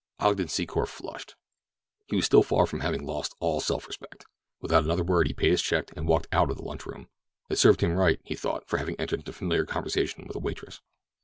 Ogden Secor flushed. He was still far from having lost all self respect. Without another word he paid his check and walked out of the lunch room. It served him right, he thought, for having entered into familiar conversation with a waitress.